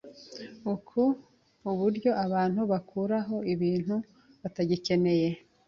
Uku nuburyo abantu bakuraho ibintu batagikeneye.